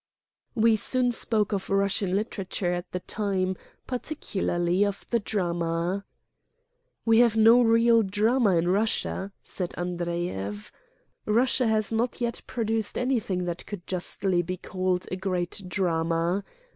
We soon spoke of Russian literature at the time, particularly of the drama. "We have no real drama in Russia," said An dreyev. "Russia has not yet produced anything that could justly be called a great drama.